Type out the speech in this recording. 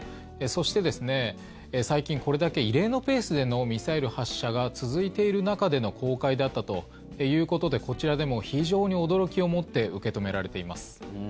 そして、最近これだけ異例のペースでのミサイル発射が続いている中での公開であったということでこちらでも非常に驚きをもって受け止められています。